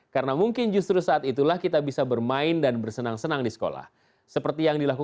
karena mungkin justru saat itulah kita bisa bermain dengan guru